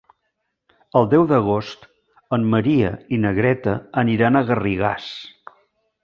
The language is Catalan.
El deu d'agost en Maria i na Greta aniran a Garrigàs.